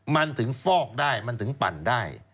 มันถึงฟอกได้มันถึงปั่นได้